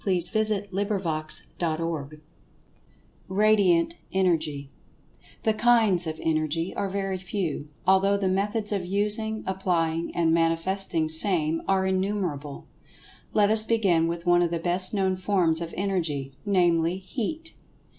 [Pg 121] CHAPTER IX RADIANT ENERGY THE "kinds" of Energy are very few, although the methods of using, applying and manifesting same are innumerable. Let us begin with one of the best known forms of Energy, namely, Heat.